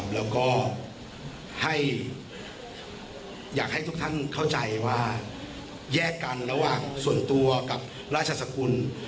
แล้วก็ให้อยากให้ทุกท่านเข้าใจว่าแยกกันระหว่างส่วนตัวกับราชสกุล